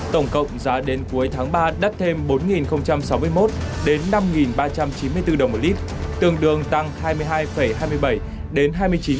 tổng cộng giá đến cuối tháng ba đắt thêm bốn sáu mươi một đến năm ba trăm chín mươi bốn đồng một lít tương đương tăng hai mươi hai hai mươi bảy đến hai mươi chín